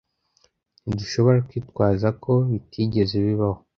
Ntidushobora kwitwaza ko bitigeze bibaho